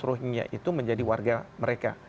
rohingya itu menjadi warga mereka